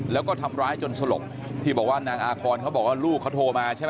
แล้วก็ทำร้ายจนสลบที่บอกว่านางอาคอนเขาบอกว่าลูกเขาโทรมาใช่ไหม